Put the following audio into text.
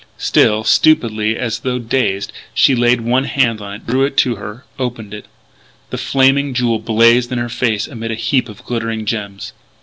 Still, stupidly and as though dazed, she laid one hand on it, drew it to her, opened it. The Flaming Jewel blazed in her face amid a heap of glittering gems.